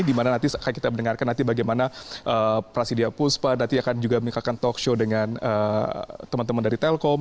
dimana nanti kita mendengarkan nanti bagaimana prasidia puspa nanti akan juga menikahkan talkshow dengan teman teman dari telkom